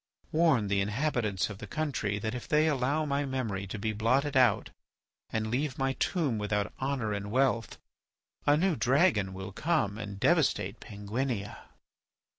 Warn the inhabitants of the country that if they allow my memory to be blotted out, and leave my tomb without honour and wealth, a new dragon will come and devastate Penguinia."